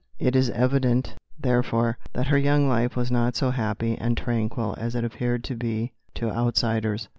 It is evident, therefore, that her young life was not so happy and tranquil as it appeared to be to outsiders.